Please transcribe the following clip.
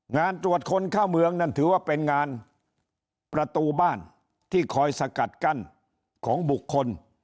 งานตรวจคนเข้าเมืองนั่นถือว่าเป็นงานประตูบ้านที่คอยสกัดกั้นของบุคคล